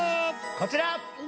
こちら！